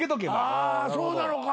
あそうなのか。